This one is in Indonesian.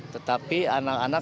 tetapi anak anak belajar di luar